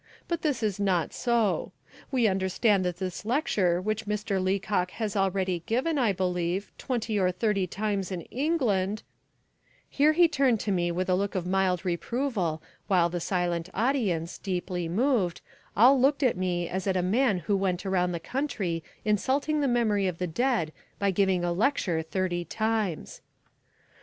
But this is not so. We understand that this lecture which Mr. Leacock has already given, I believe, twenty or thirty times in England, " Here he turned to me with a look of mild reproval while the silent audience, deeply moved, all looked at me as at a man who went around the country insulting the memory of the dead by giving a lecture thirty times.